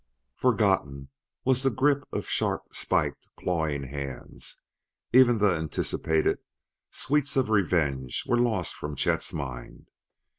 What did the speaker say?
Forgotten was the grip of sharp spiked, clawing hands; even the anticipated sweets of revenge were lost from Chet's mind.